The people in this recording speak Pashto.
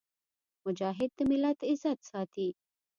مجاهد د ملت عزت ساتي.